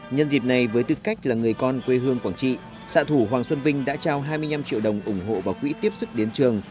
nhân dịp này với tư cách là người con quê hương quảng trị xã thủ hoàng xuân vinh đã trao hai mươi năm triệu đồng ủng hộ vào quỹ tiếp sức đến trường